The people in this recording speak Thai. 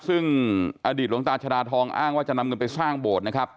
ซึ่งอดีตหลวงตาชดาทองอ้างว่าจะนำเงินไปสร้างโบสถ์นะครับ